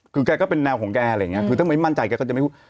คือแกก็เป็นแนวของแกอะไรอย่างเงี้คือถ้าไม่มั่นใจแกก็จะไม่พูด